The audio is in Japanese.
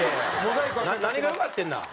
何がよかってんな。